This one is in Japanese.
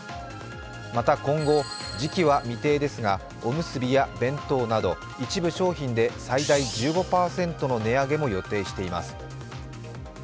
また今後、時期は未定ですがおむすびや弁当など一部商品で最大１５％の値上げも予定しています。